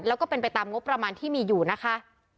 แล้วก็เป็นไปตามงบประมาณที่มีอยู่นะคะ